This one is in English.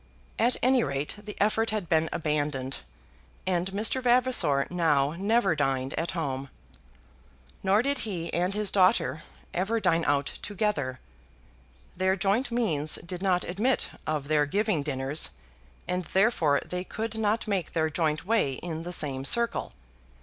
At any rate the effort had been abandoned, and Mr. Vavasor now never dined at home. Nor did he and his daughter ever dine out together. Their joint means did not admit of their giving dinners, and therefore they could not make their joint way in the same circle.